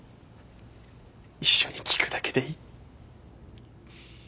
一緒に聴くだけでいい。